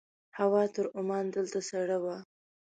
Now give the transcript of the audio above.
هوا تر عمان دلته سړه وه.